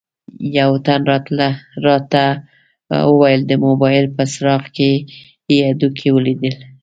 یوه تن راته وویل د موبایل په څراغ یې هډوکي ولیدل.